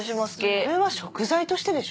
それは食材としてでしょ？